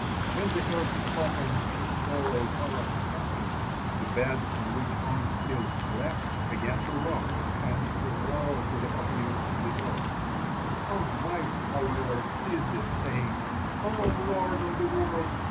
When the earth opened to swallow Korah's company, the bed on which On still slept began to rock, and to roll to the opening in the earth. On's wife, however, seized it, saying: "O Lord of the world!